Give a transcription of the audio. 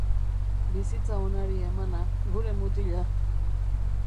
Bizitza onari emana, gure mutila!